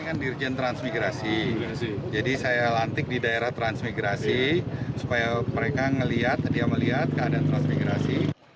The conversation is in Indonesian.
ini kan dirjen transmigrasi jadi saya lantik di daerah transmigrasi supaya mereka melihat dia melihat keadaan transmigrasi